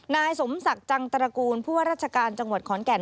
นายสมศักดิ์จังตระกูลผู้ว่าราชการจังหวัดขอนแก่น